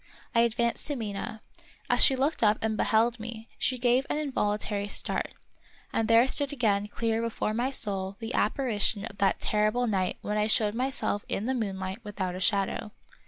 I advanced to Mina. As she looked up and beheld me, she gave an involuntary start, and there stood again clear before my soul the apparition of that terri ble night when I showed myself in the moonlight without a shadow.